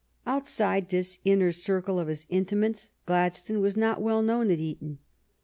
Outside this inner circle of his intimates Gladstone was not w^ell known at Eton.